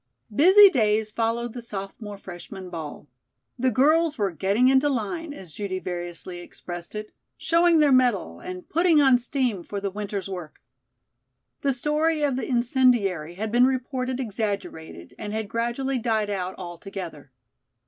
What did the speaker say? Busy days followed the sophomore freshman ball. The girls were "getting into line," as Judy variously expressed it; "showing their mettle; and putting on steam for the winter's work." The story of the incendiary had been reported exaggerated and had gradually died out altogether.